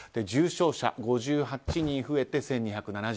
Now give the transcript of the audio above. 重症者、５８人増えて１２７０人。